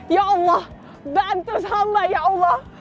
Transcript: ya allah bantu sama ya allah